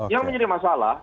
yang menjadi masalah